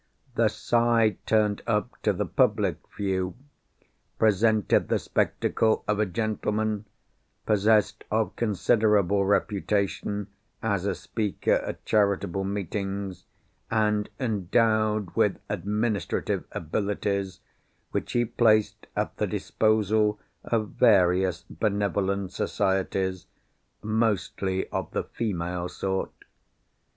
The side turned up to the public view, presented the spectacle of a gentleman, possessed of considerable reputation as a speaker at charitable meetings, and endowed with administrative abilities, which he placed at the disposal of various Benevolent Societies, mostly of the female sort.